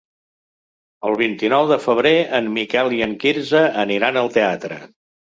El vint-i-nou de febrer en Miquel i en Quirze aniran al teatre.